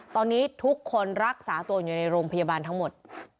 ตอนนี้ทุกคนรักษาตัวอยู่ในโรงพยาบาลทั้งหมด